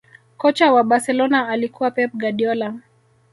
kocha wa barcelona alikuwa pep guardiola